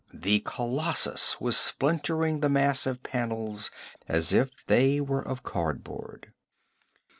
The colossus was splintering the massive panels as if they were of cardboard.